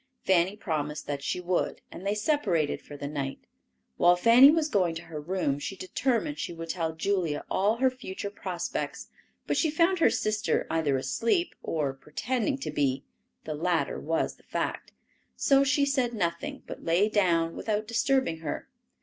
Fanny promised that she would, and they separated for the night. While Fanny was going to her room, she determined she would tell Julia all her future prospects; but she found her sister either asleep or pretending to be (the latter was the fact); so she said nothing, but lay down without disturbing her.